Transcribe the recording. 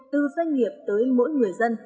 từ doanh nghiệp tới mỗi người dân